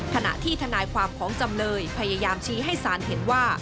ขณะที่ทนายความของจำเลยพยายามชี้ให้สารเห็นว่า